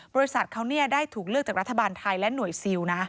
บริษัทเขาได้ถูกเลือกจากรัฐบาลไทยและหน่วยซิลนะ